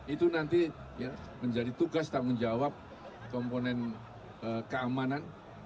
itu nanti menjadi tugas tanggung jawab komponen keamanan